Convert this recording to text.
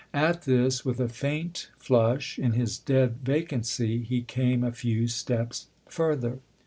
At this, with a faint flush in his dead vacancy, he came a few steps further.